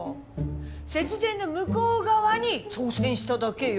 節税の向こう側に挑戦しただけよ。